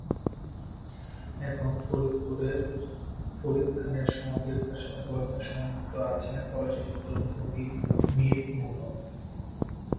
এখনও ফরিদপুরে ফরিদ খানের সমাধির পাশে অবহেলায় সমাধিস্থ আছেন পলাশীর যুদ্ধের অন্যতম বীর মীর মদন।